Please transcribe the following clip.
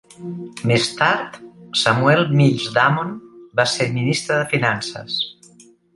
Més tard, Samuel Mills Damon va ser ministre de finances.